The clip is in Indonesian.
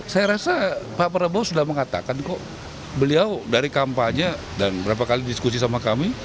saya rasa pak prabowo sudah mengatakan kok beliau dari kampanye dan berapa kali diskusi sama kami